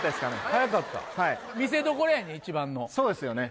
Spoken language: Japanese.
早かった見せどころやねん一番のそうですよね